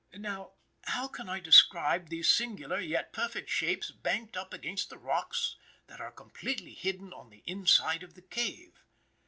Now, how can I describe these singular yet perfect shapes banked up against rocks that are completely hidden on the inside of the cave?